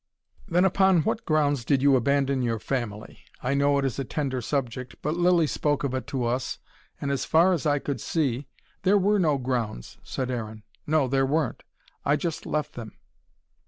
"Then upon what grounds did you abandon your family? I know it is a tender subject. But Lilly spoke of it to us, and as far I could see...." "There were no grounds," said Aaron. "No, there weren't I just left them."